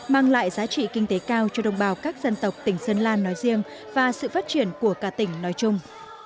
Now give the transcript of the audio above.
mang lại giá trị kinh tế cao cho đồng bào các dân tộc tỉnh sơn lan nói riêng và sự phát triển của cả tỉnh nói chung